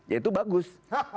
ya itu bagus